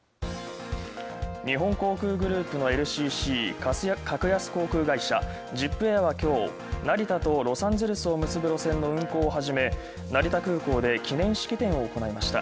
日本航空グループのＬＣＣ＝格安航空会社「ジップエア」はきょう、成田とロサンゼルスを結ぶ路線の運航を始め、成田空港で記念式典を行いました。